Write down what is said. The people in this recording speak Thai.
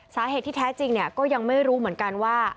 สาเหตุที่แท้จริงก็ยังไม่รู้เหมือนกันว่า